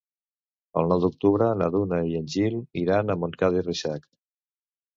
El nou d'octubre na Duna i en Gil iran a Montcada i Reixac.